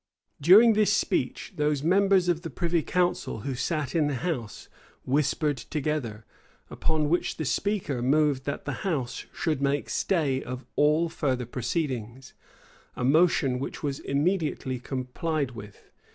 [] During this speech, those members of the privy council who sat in the house whispered together; upon which the speaker moved that the house should make stay of all further proceedings: a motion which was immediately complied with.